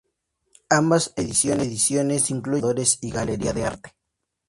Ambas ediciones incluyen borradores y galería de arte.